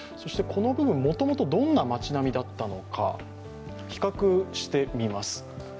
この部分、もともとどんな町並みだったのか比較してみます。